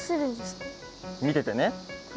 みててね。